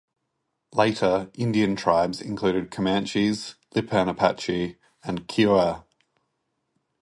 Later Indian tribes included Comanches, Lipan Apache, and Kiowa.